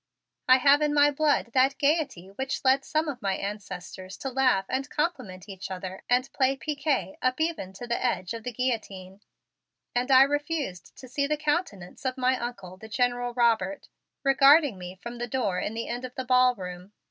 I have in my blood that gayety which led some of my ancestors to laugh and compliment each other and play piquet up even to the edge of the guillotine, and I refused to see the countenance of my Uncle, the General Robert, regarding me from the door in the end of the ballroom.